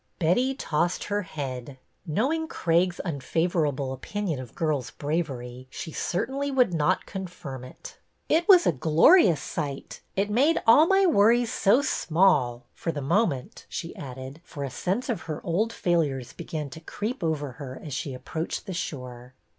Betty tossed her head. Knowing Craig's un 158 BETTY BAIRD'S VENTURES favorable opinion of girls' bravery, she certainly would not confirm it. It was a glorious sight. It made all my worries so small — for the moment," she added, for a sense of her old failures began to creep over her as she approached the shore.